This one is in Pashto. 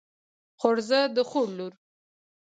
خورزه د خور لور.